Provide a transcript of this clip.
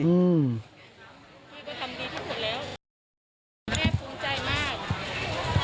พี่ก็ทำดีที่สุดแล้วแม่ภูมิใจมากที่ลูกเล่นมาอยู่ตรงนี้